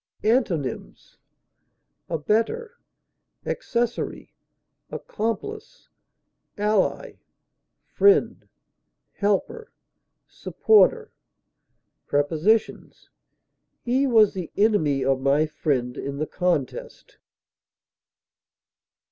Antonyms: abettor, accessory, accomplice, ally, friend, helper, supporter. Prepositions: He was the enemy of my friend in the contest.